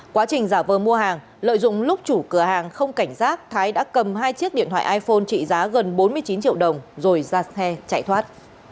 quá trình giả vờ mua hàng lợi dụng lúc chủ cửa hàng không cảnh giác thái đã cầm hai chiếc điện thoại iphone trị giá gần bốn mươi chín triệu đồng rồi ra xe chạy thoát